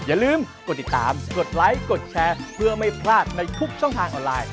อย่าลืมกดติดตามกดไลค์กดแชร์เพื่อไม่พลาดในทุกช่องทางออนไลน์